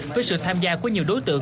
với sự tham gia của nhiều đối tượng